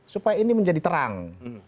supaya ini menjadi terang